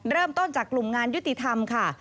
เริ่มต้นจากกลุ่มงานยุติธรรมค่ะ